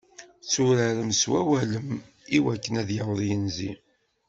Tetturarem s wawalen iwakken ad yaweḍ yinzi.